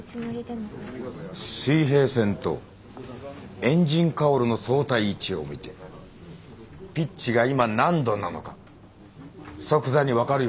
水平線とエンジンカウルの相対位置を見てピッチが今何度なのか即座に分かるようになれ。